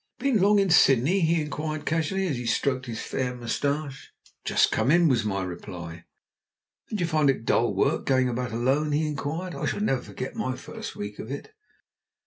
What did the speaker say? "Been long in Sydney?" he inquired casually, as he stroked his fair moustache. "Just come in," was my reply. "Don't you find it dull work going about alone?" he inquired. "I shall never forget my first week of it."